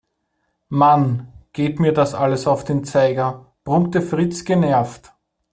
Mann, geht mir das alles auf den Zeiger, brummte Fritz genervt.